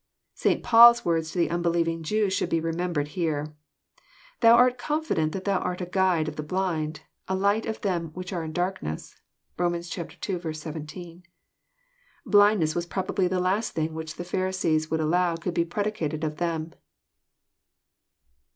— St. Paul's words to the unbelieving Jew should be remembered here : "Thou art confident that thou art a guide of the blind, a light of them which are in darkness." (liom. ii. 17.) LBlind ness was probably the last thing which the Pharisees would allow could be predicated of them.